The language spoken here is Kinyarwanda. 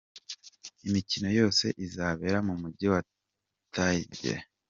Imikino yose izabera mu Mujyi wa Tangier.